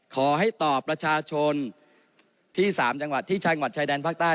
ขอให้ตอบประชาชนที่๓จังหวัดที่ชายวัดชายแดนภาคใต้